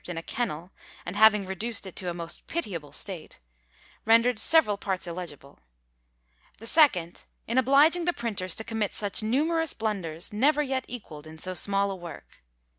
in a kennel, and having reduced it to a most pitiable state, rendered several parts illegible: the second, in obliging the printers to commit such numerous blunders, never yet equalled in so small a work.